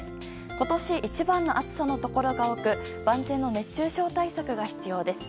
今年一番の暑さのところが多く万全の熱中症対策が必要です。